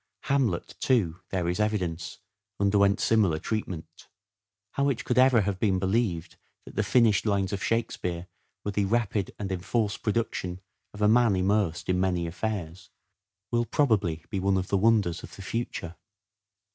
" Hamlet," too, there is evidence, underwent similiar treatment. How it could ever have been believed that the finished lines of Shakespeare were the rapid and enforced production of a man immersed in many affairs, will probably be one of the wonders of the future.